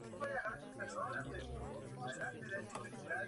Hyper mode:Es el nuevo modo de juego.